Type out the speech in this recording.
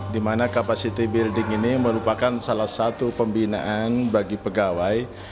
di mana capacity building ini merupakan salah satu pembinaan bagi pegawai